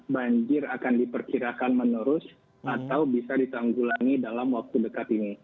banjir akan diperkirakan menerus atau bisa ditanggulangi dalam waktu dekat ini